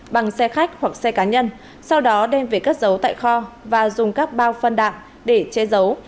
bằng xe khách hoặc xe cá nhân sau đó đem về cất giấu tại kho và dùng các bao phân đạm để che giấu